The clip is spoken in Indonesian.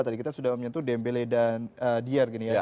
tadi kita sudah menyentuh dembele dan dier